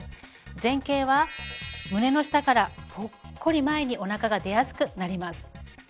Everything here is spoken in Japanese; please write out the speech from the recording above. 前傾は胸の下からポッコリ前におなかが出やすくなります。